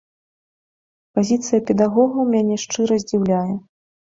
Пазіцыя педагогаў мяне шчыра здзіўляе.